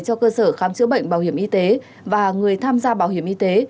cho cơ sở khám chữa bệnh bảo hiểm y tế và người tham gia bảo hiểm y tế